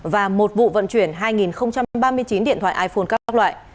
và một vụ vận chuyển hai ba mươi chín điện thoại iphone các loại